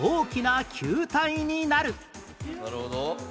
なるほど。